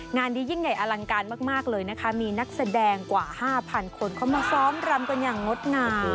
งานนี้ยิ่งใหญ่อลังการมากเลยนะคะมีนักแสดงกว่า๕๐๐คนเข้ามาซ้อมรำกันอย่างงดงาม